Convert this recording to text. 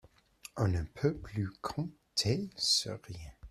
On ne peut plus compter sur rien.